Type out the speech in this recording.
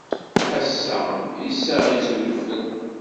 Ass-a, issaɣ-itt wedfel.